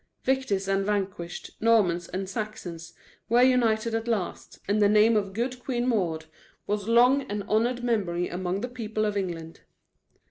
Victors and vanquished, Normans and Saxons, were united at last, and the name of "Good Queen Maud" was long an honored memory among the people of England.